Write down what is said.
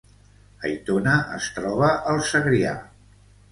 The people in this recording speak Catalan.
Aitona es troba al Segrià